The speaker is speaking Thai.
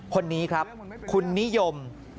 คนนี้ครับคุณนิยม